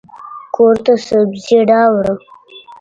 کورته سبزي راوړه.